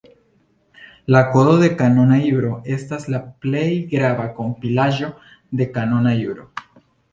La Kodo de Kanona Juro estas la plej grava kompilaĵo de kanona juro.